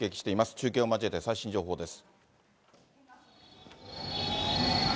中継を交えて、最新情報です。